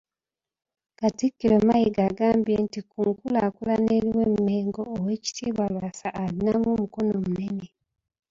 Katikkiro Mayiga agambye nti ku nkulaakulana eriwo e Mmengo, Oweekitiibwa Lwasa alinamu omukono munene .